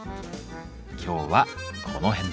今日はこの辺で。